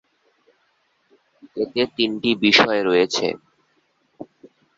এতে তিনটি বিষয় রয়েছে।